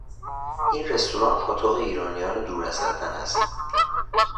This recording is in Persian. این رستوران پاتوق ایرانیان دور از وطن است.